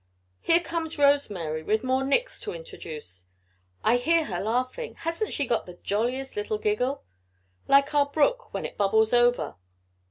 Here comes Rose Mary with more Nicks to introduce. I hear her laughing hasn't she got the jolliest little giggle like our brook when it bubbles over."